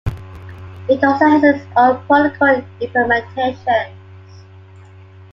It also has its own protocol implementations.